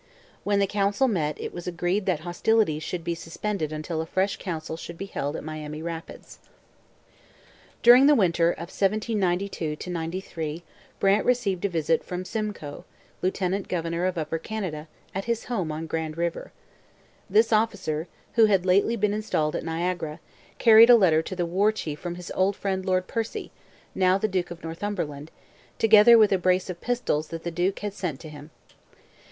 When the council met it was agreed that hostilities should be suspended until a fresh council should be held at Miami Rapids. During the winter of 1792 93 Brant received a visit from Simcoe, lieutenant governor of Upper Canada, at his home on Grand River. This officer, who had lately been installed at Niagara, carried a letter to the War Chief from his old friend Lord Percy, now the Duke of Northumberland, together with a brace of pistols that the duke had sent to him.